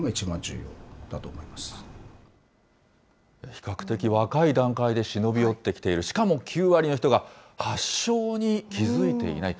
比較的若い段階で忍び寄ってきている、しかも９割の人が発症に気付いていない。